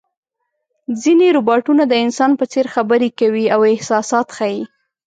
ځینې روباټونه د انسان په څېر خبرې کوي او احساسات ښيي.